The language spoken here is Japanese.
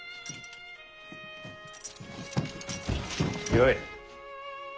よい。